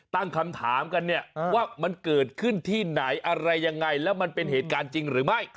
ตั้งคำถามกันเนี่ยว่ามันเกิดขึ้นที่ไหนอะไรยังไงแล้วมันเป็นเหตุการณ์จริงหรือไม่